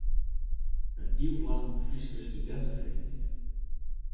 In iuw lang Fryske studinteferieningen.